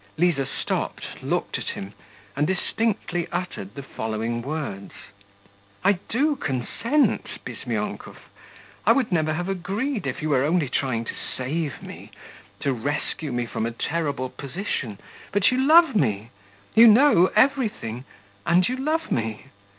Liza stopped, looked at him, and distinctly uttered the following words: 'I do consent, Bizmyonkov. I would never have agreed if you were only trying to save me, to rescue me from a terrible position, but you love me, you know everything and you love me.